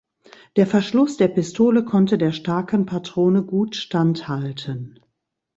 Der Verschluss der Pistole konnte der starken Patrone gut standhalten.